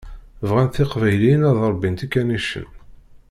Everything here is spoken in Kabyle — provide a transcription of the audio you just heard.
Bɣant teqbayliyin ad ṛebbint ikanicen.